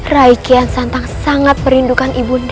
raikian santang sangat merindukan ibu nda